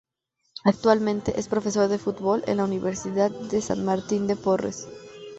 Actualmente es profesor de fútbol en la Universidad de San Martín de Porres.